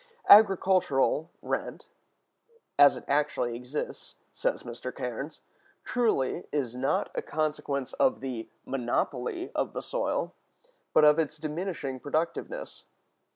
"Agricultural rent, as it actually exists," says Mr. Cairnes,(180) truly, "is not a consequence of the monopoly of the soil, but of its diminishing productiveness."